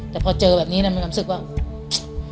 แต่พอเจอแบบนี้มันรู้สึกว่า